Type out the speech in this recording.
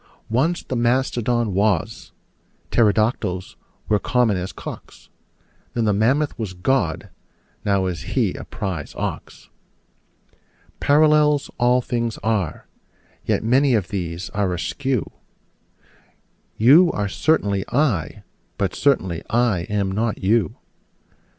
Once the mastodon was: pterodactyls were common as cocks: Then the mammoth was God: now is He a prize ox. Parallels all things are: yet many of these are askew: You are certainly I: but certainly I am not you.